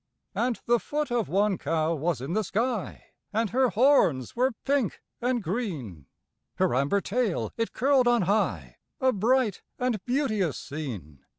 And the foot of one cow was in the sky, And her horns were pink and green; Her amber tail it curled on high A bright and beauteous scene.